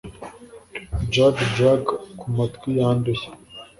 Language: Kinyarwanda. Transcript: Jug Jug kumatwi yanduye